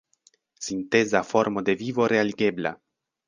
Sinteza formo de vivo realigebla!